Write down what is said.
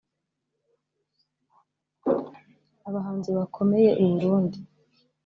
Abahanzi bakomeye i Burundi